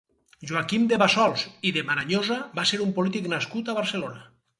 Joaquim de Bassols i de Maranyosa va ser un polític nascut a Barcelona.